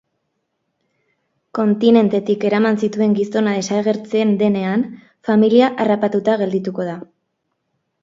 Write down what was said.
Kontinentetik eraman zituen gizona desagertzen denean, familia harrapatuta geldituko da.